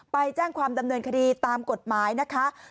ไปแจ้งความดำเนินคดีตามกฎหมายนะคะ